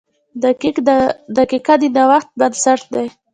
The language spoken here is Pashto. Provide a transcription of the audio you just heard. • دقیقه د نوښت بنسټ ده.